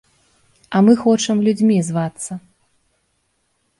А мы хочам людзьмі звацца.